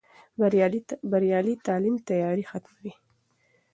بریالی تعلیم تیارې ختموي.